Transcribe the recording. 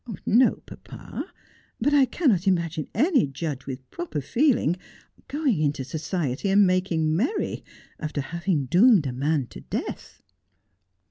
' No, papa, but I cannot imagine any judge with proper feeling going into society and making merry after having doomed a man to death.'